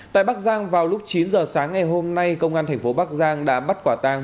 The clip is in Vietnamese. tại bắc giang vào lúc chín giờ sáng ngày hôm nay công an thành phố bắc giang đã bắt quả tàng